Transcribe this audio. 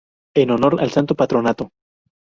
En honor al Santo Patrono.